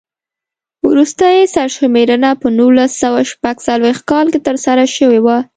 وروستۍ سر شمېرنه په نولس سوه شپږ څلوېښت کال کې ترسره شوې وه.